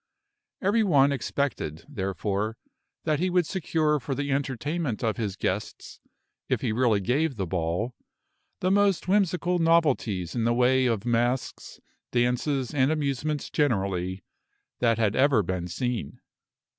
Every one expected, therefore, that he would secure for the entertainment of his guests, if he really gave the ball, the most whimsical novelties in the way of masks, dances, and amusements generally, that had ever been seen.